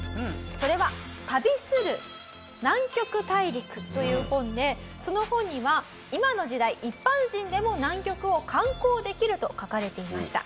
それは『旅する南極大陸』という本でその本には「今の時代一般人でも南極を観光できる」と書かれていました。